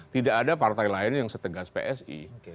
tidak ada partai lain yang setegas psi